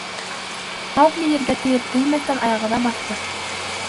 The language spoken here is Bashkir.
Маугли ергә тейер-теймәҫтән аяғына баҫты.